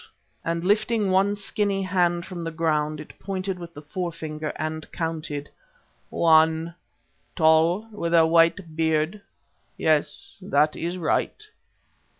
and lifting one skinny hand from the ground, it pointed with the forefinger and counted. "One. Tall, with a white beard. Yes, that is right.